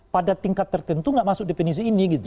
pada tingkat tertentu nggak masuk definisi ini gitu